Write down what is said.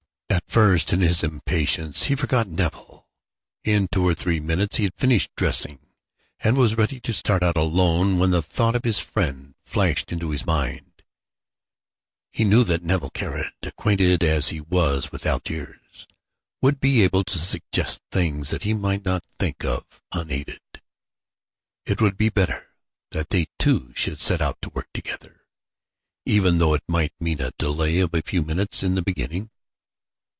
At first, in his impatience, he forgot Nevill. In two or three minutes he had finished dressing, and was ready to start out alone when the thought of his friend flashed into his mind. He knew that Nevill Caird, acquainted as he was with Algiers, would be able to suggest things that he might not think of unaided. It would be better that they two should set to work together, even though it might mean a delay of a few minutes in the beginning.